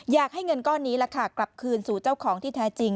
อยากให้เงินก้อนนี้แหละค่ะกลับคืนสู่เจ้าของที่แท้จริง